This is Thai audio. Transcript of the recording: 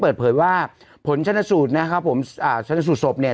เปิดเผยว่าผลชนสูตรนะครับผมอ่าชนสูตรศพเนี่ย